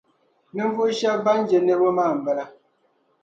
Ninvuɣu shεba ban je niriba maa n bala.